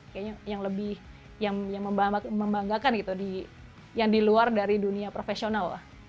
kayaknya yang lebih yang membanggakan gitu yang di luar dari dunia profesional lah